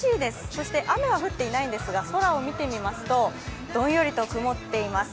そして雨は降っていないんですが空を見てみますと、どんよりと曇っています。